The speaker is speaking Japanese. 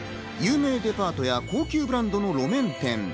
有名デパートや高級ブランドの路面店。